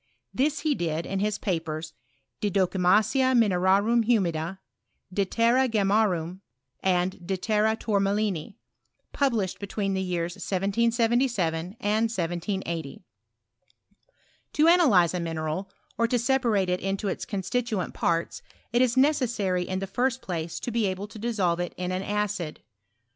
This he did in his papers " De Docimasia Mioerarum Humida," " De Terra Gemmarum," and " De Terra Tourma lin!," published bptwcen the years 1777 and 1780. To analyze a mineral, or to sepamte it into its constituent parts, it is necessary in the first place, to be able to dissolve it in an acid.